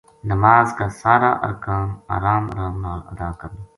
نماز کا سارا ارکان آرام آرام نال ادا کرنا۔